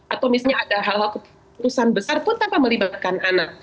atau misalnya ada hal hal keputusan besar pun tanpa melibatkan anak